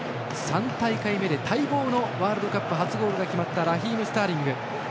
３大会目で待望のワールドカップ初ゴールが決まったラヒーム・スターリング。